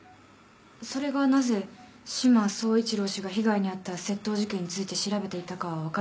それがなぜ志摩総一郎氏が被害に遭った窃盗事件について調べていたかは分からないんですね。